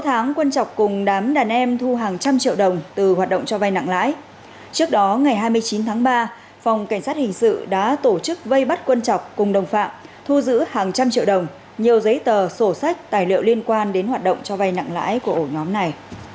trước đó ngày hai mươi chín tháng ba phòng cảnh sát hình sự đã tổ chức vây bắt quân chọc cùng đồng phạm thu giữ hàng trăm triệu đồng nhiều giấy tờ sổ sách tài liệu liên quan đến hoạt động cho vay nặng lãi của ổ nhóm này